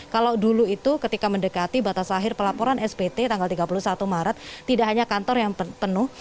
kalau dulu itu ketika mendekati batas akhir pelaporan spt tanggal tiga puluh satu maret tidak hanya kantor yang penuh